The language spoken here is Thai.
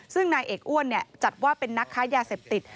ซึ่งนายเอกอ้วนจัดว่าเป็นนักค้ายาเสพติด